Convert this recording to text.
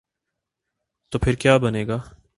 تو پھر کیابنے گا؟